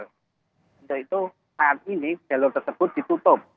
untuk itu saat ini jalur tersebut ditutup